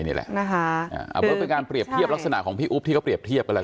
นี่แหละเป็นการเปรียบเทียบลักษณะของพี่อุ๊ปที่เขาเปรียบเทียบกันแล้วกัน